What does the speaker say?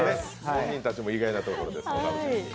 本人たちも意外なところでね。